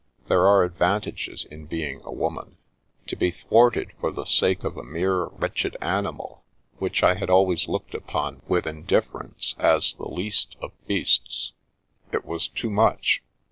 (There are advantages in being a woman.) To be thwarted for the sake of a mere, wretched animal, which I had always looked upon with indifference as the least' of beasts ! It was too much.